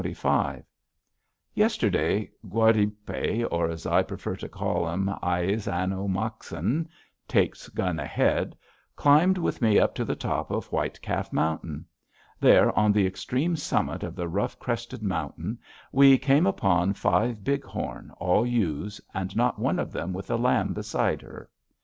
_ Yesterday Guardipe, or, as I prefer to call him, Aí is an ah mak an (Takes Gun Ahead), climbed with me to the top of White Calf Mountain. There, on the extreme summit of the rough crested mountain, we came upon five bighorn, all ewes, and not one of them with a lamb beside her.